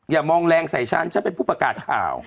อย่ามองแรงใส่ฉันฉันเป็นผู้ประกาศข่าว